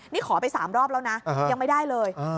นี่ขอไป๓รอบแล้วนะยังไม่ได้เลย